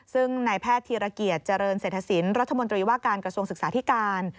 ซึ่งนายแพทย์ธีรเกียจเจริญเศรษฐศิลป์รัฐมนตรีว่าการกระทรวงศึกษาธิการ